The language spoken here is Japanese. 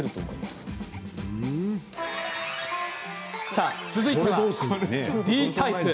さあ、続いてはＤタイプ。